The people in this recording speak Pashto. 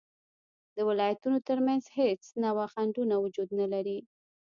د ولایتونو تر منځ هیڅ نوعه خنډونه وجود نلري